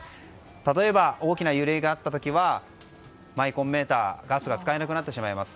例えば、大きな揺れがあった時はマイコンメーターガスが使えなくなってしまいます。